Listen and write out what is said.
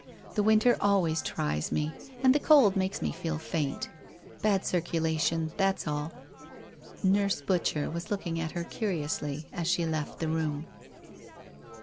The winter always tries me and the cold makes me feel faint. Bad circulation, that's all !' Nurse Butcher was looking at her curiously as she left the room.